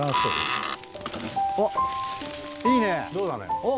あっいいね！